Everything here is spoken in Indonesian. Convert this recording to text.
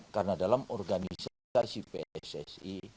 karena dalam organisasi pssi